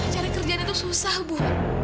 cari kerjaan itu susah bu